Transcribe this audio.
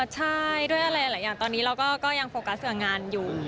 ใช่ด้วยอะไรหลายอย่างตอนนี้เราก็ยังโฟกัสกับงานอยู่